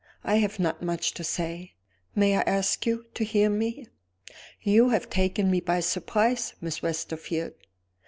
I have not much to say. May I ask you to hear me?" "You have taken me by surprise, Miss Westerfield.